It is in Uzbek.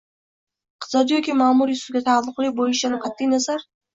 iqtisodiy yoki ma’muriy sudga taalluqli bo‘lishidan qat’i nazar